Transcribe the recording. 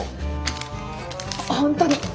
本当に。